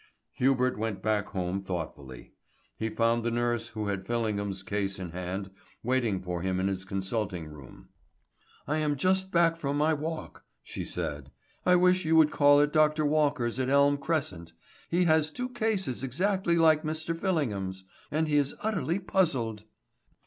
Hubert went back home thoughtfully. He found the nurse who had Fillingham's case in hand waiting for him in his consulting room. "I am just back from my walk," she said. "I wish you would call at Dr. Walker's at Elm Crescent. He has two cases exactly like Mr. Fillingham's, and he is utterly puzzled."